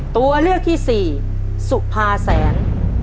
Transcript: ตัวเลือกที่สี่สุภาแสน